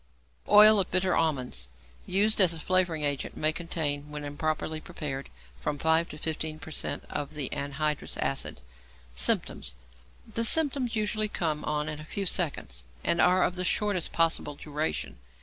=Oil of Bitter Almonds=, used as a flavouring agent, may contain (when improperly prepared) from 5 to 15 per cent. of the anhydrous acid. Symptoms. The symptoms usually come on in a few seconds, and are of the shortest possible duration.